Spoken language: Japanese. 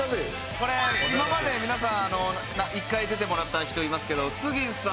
これ今まで皆さん一回出てもらった人いますけど。